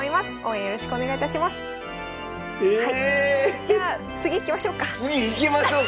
じゃあ次いきましょうか。